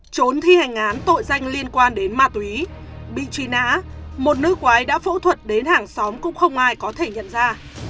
trốn thi hành án tội danh liên quan đến ma túy bị truy nã một nữ quái đã phẫu thuật đến hàng xóm cũng không ai có thể nhận ra